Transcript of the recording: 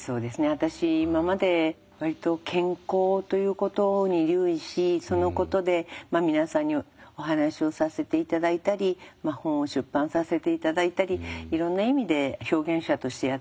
私今まで割と健康ということに留意しそのことで皆さんにお話をさせて頂いたり本を出版させて頂いたりいろんな意味で表現者としてやってきました。